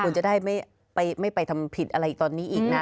คุณจะได้ไม่ไปทำผิดอะไรตอนนี้อีกนะ